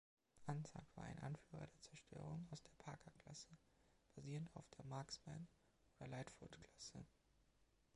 „Anzac“ war ein Anführer der Zerstörung aus der „Parker“-Klasse, basierend auf der „Marksman“- oder „Lightfoot“-Klasse.